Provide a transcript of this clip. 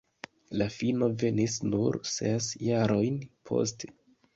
La fino venis nur ses jarojn poste.